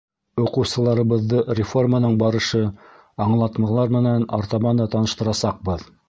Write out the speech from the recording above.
Уҡыусыларыбыҙҙы реформаның барышы, аңлатмалар менән артабан да таныштырасаҡбыҙ.